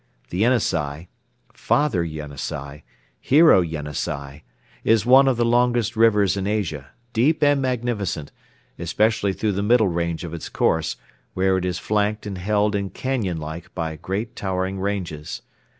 The Yenisei, "Father Yenisei," "Hero Yenisei," is one of the longest rivers in Asia, deep and magnificent, especially through the middle range of its course, where it is flanked and held in canyon like by great towering ranges.